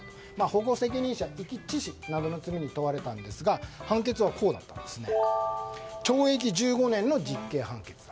保護責任者遺棄致死などの罪に問われたんですが判決は懲役１５年の実刑判決。